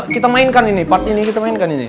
kita mainkan ini part ini kita mainkan ini